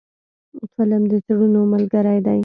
فلم د زړونو ملګری دی